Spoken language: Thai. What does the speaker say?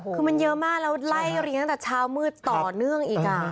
คือมันเยอะมากแล้วไล่เรียงตั้งแต่เช้ามืดต่อเนื่องอีก